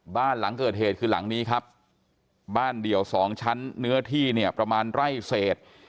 บ้านหลังเกิดเหตุคือหลังนี้ครับบ้านเดี่ยวสองชั้นเนื้อที่เนี่ยประมาณไร่เศษ